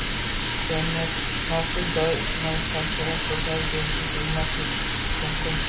jamiyatshunoslikka doir ijtimoiy hodisalarni ko‘rsatib beruvchi filmlar qilish mumkin».